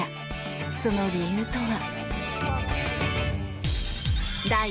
その理由とは。